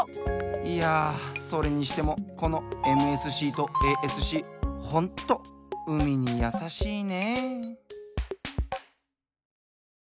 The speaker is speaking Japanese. いやそれにしてもこのＭＳＣとＡＳＣホント海にやさしいね！